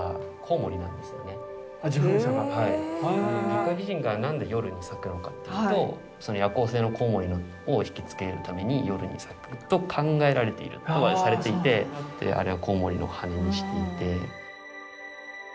月下美人が何で夜に咲くのかっていうと夜行性のコウモリをひきつけるために夜に咲くと考えられているとされていてであれはコウモリの羽にしていて。